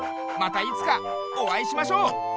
またいつかおあいしましょう！